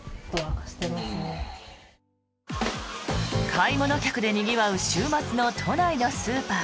買い物客でにぎわう週末の都内のスーパー。